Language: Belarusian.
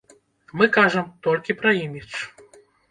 Мы кажам толькі пра імідж.